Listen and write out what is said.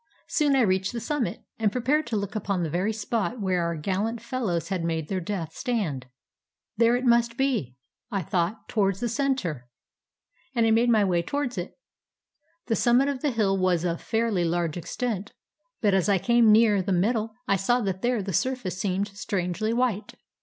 Soon I reached the summit, and prepared to look upon the very spot where our gallant fellows had made their death stand. There it must be, I thought, towards the center. And I made my way towards it. The simimit of the hill was of fairly large extent; but as I came nearer the middle, I saw that there the surface seemed strangely white.